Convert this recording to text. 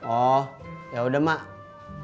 oh yaudah mbak